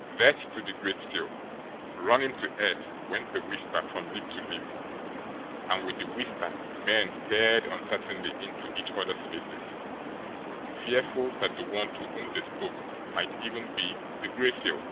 "Death to the Gray Seal! Run him to earth!" went the whisper from lip to lip; and with the whisper men stared uncertainly into each other's faces, fearful that the one to whom they spoke might even be the Gray Seal!